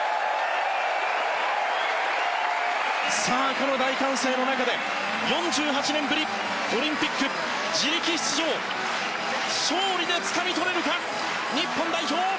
この大歓声の中で４８年ぶりオリンピック自力出場勝利でつかみ取れるか日本代表。